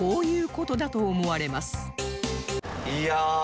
いや。